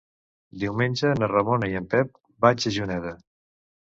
Diumenge na Ramona i en Pep vaig a Juneda.